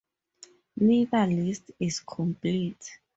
Neither list is complete.